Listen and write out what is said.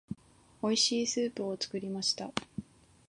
美味しいスープを作りました。